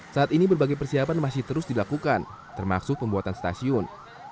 saat ini berbagai persiapan masih terus dilakukan termasuk pembuatan stasiun